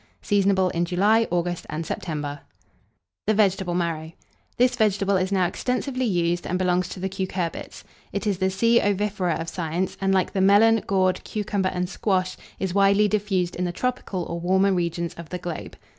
Seasonable in July, August, and September. [Illustration: VEGETABLE MARROW.] THE VEGETABLE MARROW. This vegetable is now extensively used, and belongs to the Cucurbits. It is the C. ovifera of science, and, like the melon, gourd, cucumber, and squash, is widely diffused in the tropical or warmer regions of the globe.